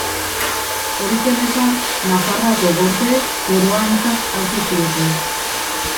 Hori zela eta, Nafarroako Gorteek koroa aintzat hartu zioten.